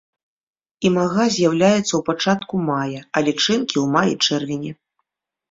Імага з'яўляюцца ў пачатку мая, а лічынкі ў маі-чэрвені.